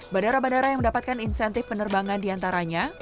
bandara bandara yang mendapatkan insentif penerbangan diantaranya